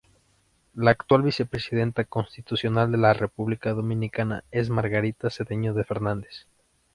La actual Vicepresidenta constitucional de la República Dominicana es Margarita Cedeño de Fernández.